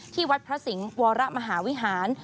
วัดพระสิงห์วรมหาวิหาร